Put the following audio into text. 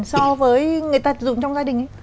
so với người ta dùng trong gia đình